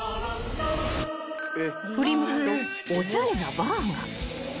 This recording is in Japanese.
［振り向くとおしゃれな］